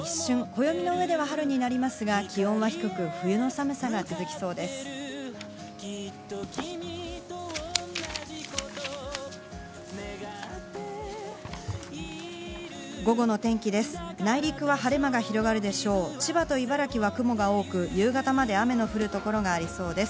暦の上では春になりますが、気温は低く冬の寒さが続きそうです。